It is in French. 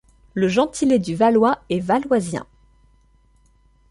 Le gentilé du Valois est Valoisien.